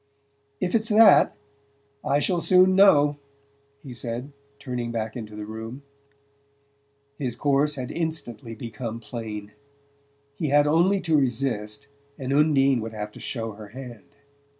"If it's that, I shall soon know," he said, turning back into the room. His course had instantly become plain. He had only to resist and Undine would have to show her hand.